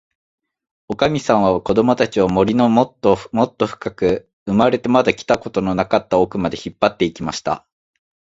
おかみさんは、こどもたちを、森のもっともっとふかく、生まれてまだ来たことのなかったおくまで、引っぱって行きました。